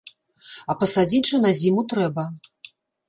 А пасадзіць жа на зіму трэба.